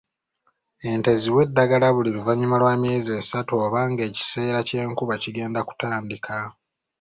Ente ziwe eddagala buli luvannyuma lwa myezi esatu oba nga ekiseera ky’enkuba kigenda kutandika.